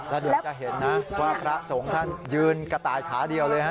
แล้วเดี๋ยวจะเห็นนะว่าพระสงฆ์ท่านยืนกระต่ายขาเดียวเลยฮะ